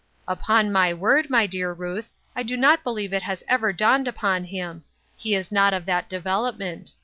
" Upon my word, my dear Ruth, I do not be lieve it has ever dawned upon him ; he is not of that development.